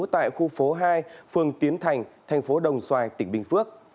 tại khu phố hai phường tiến thành tp đồng xoài tỉnh bình phước